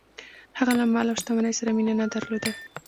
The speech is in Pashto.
هغه له مال او شتمنۍ سره یې مینه نه درلوده.